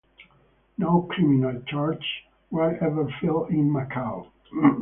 No criminal charges were ever filed in Macao.